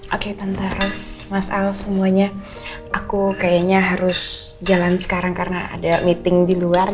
oke tentara mas al semuanya aku kayaknya harus jalan sekarang karena ada meeting di luar